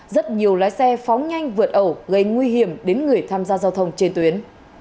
rất nhiều lái xe phóng nhanh vượt ẩu gây nguy hiểm đến người tham gia giao thông trên tuyến